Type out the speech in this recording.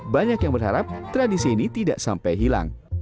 banyak yang berharap tradisi ini tidak sampai hilang